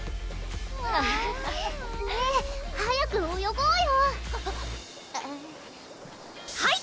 ⁉ねぇ早く泳ごうよあっはい！